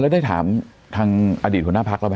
แล้วได้ถามทางอดีตหัวหน้าพักแล้วไหม